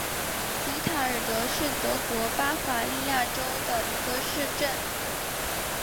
比塔尔德是德国巴伐利亚州的一个市镇。